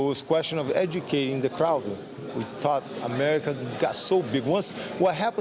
apa yang terjadi di brazil orang tidak tahu